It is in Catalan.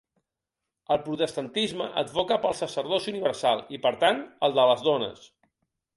El protestantisme advoca pel sacerdoci universal i per tant el de les dones.